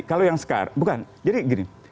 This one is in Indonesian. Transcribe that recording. kalau yang sekarang bukan